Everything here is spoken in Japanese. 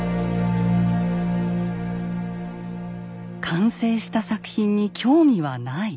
「完成した作品に興味はない」。